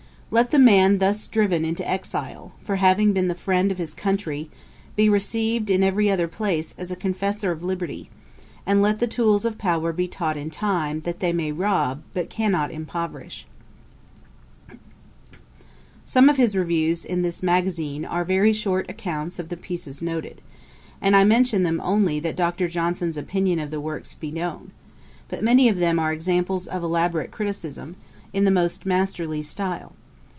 'Let the man thus driven into exile, for having been the friend of his country, be received in every other place as a confessor of liberty; and let the tools of power be taught in time, that they may rob, but cannot impoverish.' Some of his reviews in this Magazine are very short accounts of the pieces noticed, and I mention them only that Dr. Johnson's opinion of the works may be known; but many of them are examples of elaborate criticism, in the most masterly style.